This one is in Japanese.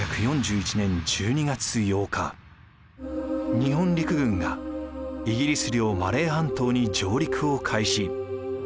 日本陸軍がイギリス領マレー半島に上陸を開始。